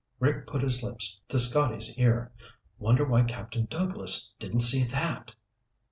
Rick put his lips to Scotty's ear. "Wonder why Captain Douglas didn't see that?"